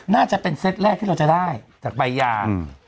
น่าจะเป็นเซตแรกที่เราจะได้จากใบยา